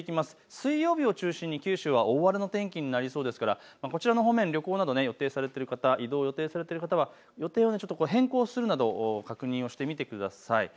水曜日を中心に九州は大荒れの天気になりそうですからこちらの方面、旅行を予定されている方は予定を変更するなど確認してみてください。